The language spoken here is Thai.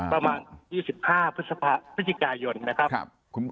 ประมาณ๒๕พฤศจิกายนนะครับ